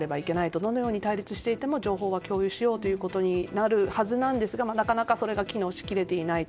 どのように対立していても情報は共有しようということになるはずですがなかなかそれが機能しきれてないと。